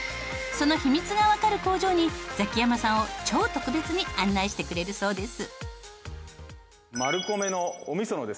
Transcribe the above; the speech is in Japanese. その秘密がわかる工場にザキヤマさんを超特別に案内してくれるそうです。